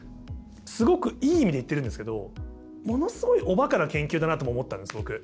すごくいい意味で言ってるんですけどものすごいおバカな研究だなとも思ったんです僕。